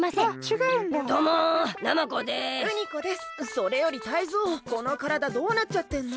それよりタイゾウこのからだどうなっちゃってんの？